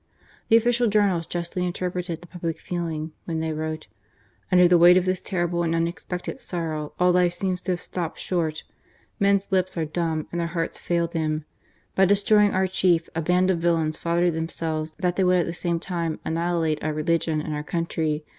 The official journals justly interpreted the public feeling when they wrote :Under the weight of this terrible and unexpected sorrow all life seems to have stopped short ; men's lips are dumb and their hearts fail them. .. .By destroying our chief, a band of villains flattered themselves that they would at the same time annihilate our religion and our country.